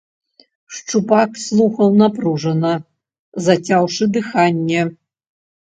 Шчупак слухаў напружана, зацяўшы дыханне.